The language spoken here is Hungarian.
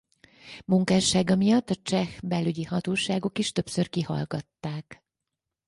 Munkássága miatt a cseh belügyi hatóságok is többször kihallgatták.